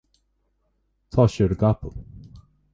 tá sé ar an gcapall